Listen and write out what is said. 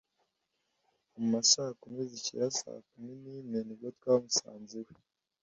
“Mu ma saa kumi zishyira saa kumi n’imwe nibwo twamusanze iwe